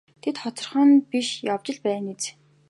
Тэд хоцрох юм биш явж л байна биз.